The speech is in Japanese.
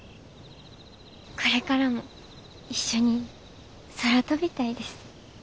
これからも一緒に空飛びたいです。